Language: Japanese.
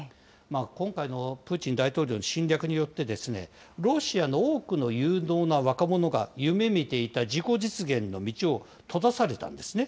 今回のプーチン大統領の侵略によって、ロシアの多くの有望な若者が夢みていた自己実現の道を閉ざされたんですね。